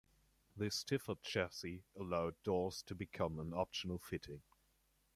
This stiffer chassis allowed doors to become an optional fitting.